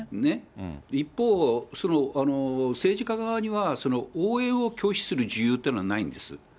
一方、政治家側には応援を拒否する自由っていうのはないんです。